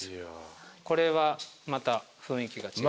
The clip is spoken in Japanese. これはまた雰囲気が。